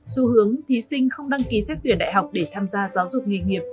xu hướng thí sinh không đăng ký xét tuyển đại học để tham gia giáo dục nghề nghiệp